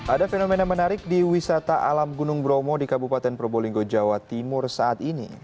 ada fenomena menarik di wisata alam gunung bromo di kabupaten probolinggo jawa timur saat ini